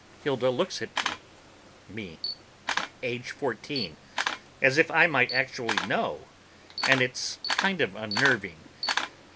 Hilda looks at me—me, age fourteen—as if I might actually know, and it's kind of unnerving.